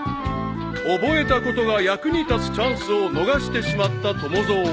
［覚えたことが役に立つチャンスを逃してしまった友蔵］